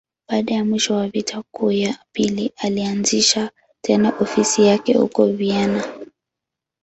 Baada ya mwisho wa Vita Kuu ya Pili, alianzisha tena ofisi yake huko Vienna.